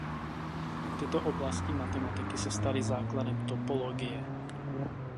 Tyto oblasti matematiky se staly základem topologie.